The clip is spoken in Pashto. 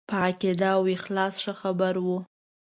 په عقیده او اخلاص ښه خبر وو.